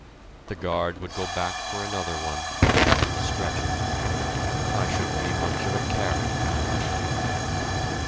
The guard would go back for another one, and a stretcher... I shouldn't be much of a carry, either!